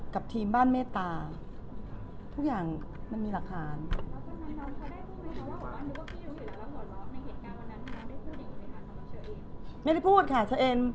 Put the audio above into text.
กับทีมบ้านเมตตาทุกอย่างมันมีหลักฐาน